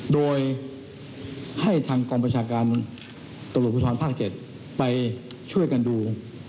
โดยให้ทางกประชากรตพภไปช่วยกันดู